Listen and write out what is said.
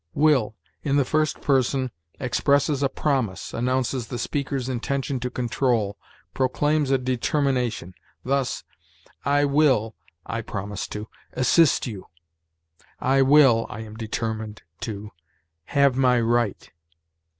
WILL, in the first person, expresses a promise, announces the speaker's intention to control, proclaims a determination. Thus, "I will [I promise to] assist you." "I will [I am determined to] have my right."